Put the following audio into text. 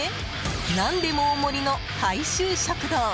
何でも大盛りの大衆食堂。